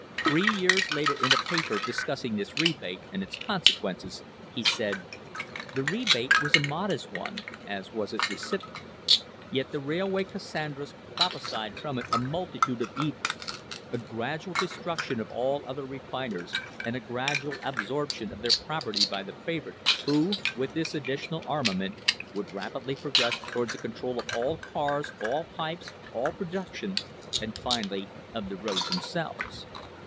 Three years later in a paper discussing this rebate and its consequences he said: "The rebate was a modest one, as was its recipient. Yet the railway Cassandras prophesied from it a multitude of evils — a gradual destruction of all other refiners and a gradual absorption of their property by the favourite, who, with this additional armament, would rapidly progress towards a control of all cars, all pipes, all pro duction, and finally of the roads themselves.